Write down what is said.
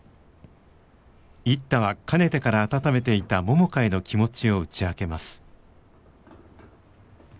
一太はかねてから温めていた百花への気持ちを打ち明けます。